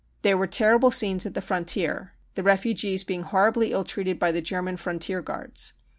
There were terrible scenes at the frontier, the refugees being horribly ill treated by the German frontier guards.